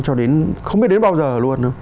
cho đến không biết đến bao giờ luôn